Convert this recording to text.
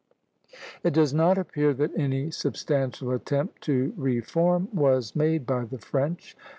] It does not appear that any substantial attempt to re form was made by the French.